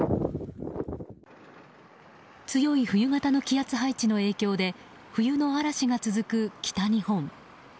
強い冬型の気圧配置の影響で冬の嵐が続く北日本。